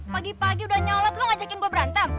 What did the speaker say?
pagi pagi udah nyolot lo ngajakin gue berantem